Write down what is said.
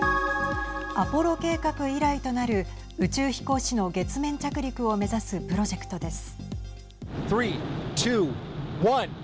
アポロ計画以来となる宇宙飛行士の月面着陸を目指すプロジェクトです。